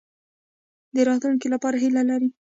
د راتلونکي لپاره هیله لرئ؟